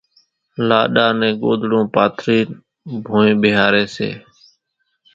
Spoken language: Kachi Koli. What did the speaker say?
لاڏا نين ڳوۮڙون پاٿرينَ ڀونئين ٻيۿاريَ سي۔